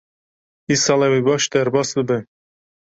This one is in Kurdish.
Îsal ew ê baş derbas bibe.